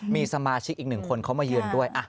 มีสมาชิกอีกหนึ่งคนเขามายืนด้วย